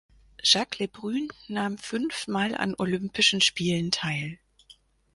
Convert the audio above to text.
Jacques Lebrun nahm fünfmal an Olympischen Spielen teil.